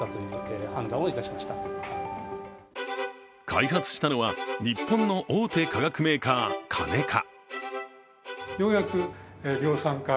開発したのは日本の大手化学メーカー、カネカ。